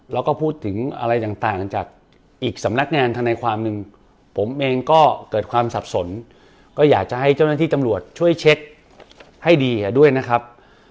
แล้วก็พูดถึงอะไรต่างจากอีกสำนักงานธนายความหนึ่งผมเองก็เกิดความสับสนก็อยากจะให้เจ้าหน้าที่ตำรวจช่วยเช็คให้ดีด้วยนะครับ